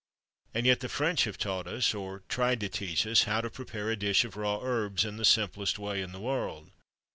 And yet the French have taught us, or tried to teach us, how to prepare a dish of raw herbs, in the simplest way in the world!